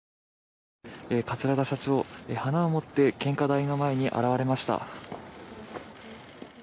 桂田社長、花を持って献花台の前に現れました。